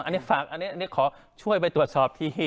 อันนี้ฝากอันแรกอันแรกอันนี้ขอช่วยไปตรวจสอบที่